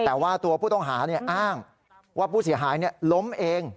แต่ว่าตัวผู้ต้องหาอ้างว่าผู้เสียหายล้มเอง